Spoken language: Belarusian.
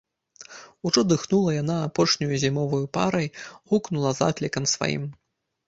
Ужо дыхнула яна апошняю зімоваю парай, гукнула заклікам сваім.